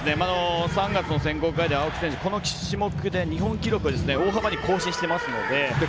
３月の選考会で青木選手、この種目で日本記録を大幅に更新していますので。